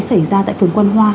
xảy ra tại phường quân hoa